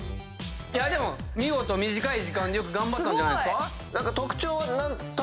でも見事短い時間でよく頑張ったんじゃないですか。